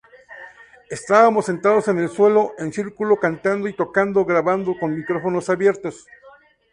Estábamos sentados en el suelo, en círculo, cantando y tocando, grabando con micrófonos abiertos.